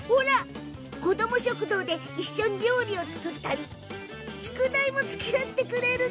こども食堂で一緒に料理を作ったり宿題もつきあってくれる。